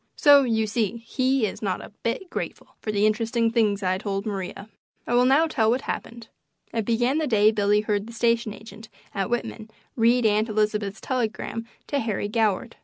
So you see he is not a bit grateful for the interesting things I told Maria. I will now tell what happened. It began the day Billy heard the station agent at Whitman read Aunt Elizabeth's telegram to Harry Goward.